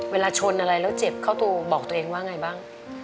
เวลาชนอะไรแล้วเจ็บเข้าตัวบอกตัวเองว่าไงบ้าง